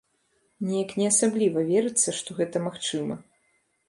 Неяк не асабліва верыцца, што гэта магчыма.